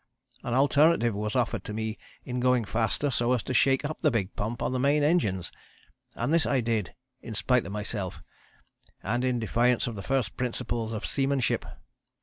An alternative was offered to me in going faster so as to shake up the big pump on the main engines, and this I did in spite of myself and in defiance of the first principles of seamanship.